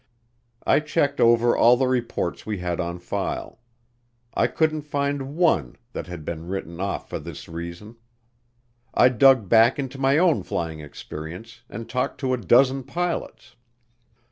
I checked over all the reports we had on file. I couldn't find one that had been written off for this reason. I dug back into my own flying experience and talked to a dozen pilots.